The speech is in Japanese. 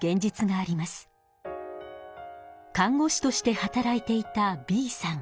看護師として働いていたＢさん。